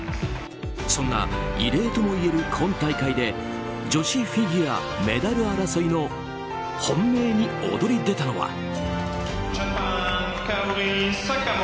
そんな異例ともいえる今大会で女子フィギュアメダル争いの本命に躍り出たのは。